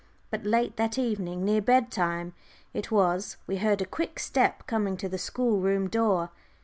But late that evening near bed time it was we heard a quick step coming to the schoolroom door.